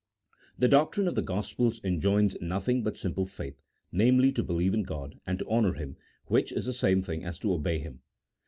The doctrine of the Gospels enjoins nothing but simple faith, namely, to believe in God and to honour Him, which is the same thing as to obey Him.